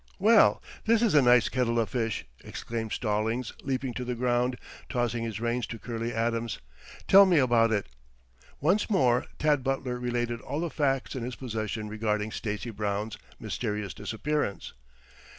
"Well, this is a nice kettle of fish!" exclaimed Stallings, leaping to the ground, tossing his reins to Curley Adams. "Tell me about it." Once more Tad Butler related all the facts in his possession regarding Stacy Brown's mysterious disappearance.